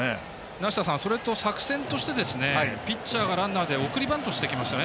梨田さんそれと作戦としてピッチャーがランナーで送りバントしてきましたね